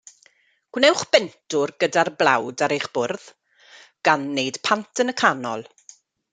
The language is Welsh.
Gwnewch bentwr gyda'r blawd ar eich bwrdd, gan wneud pant yn y canol.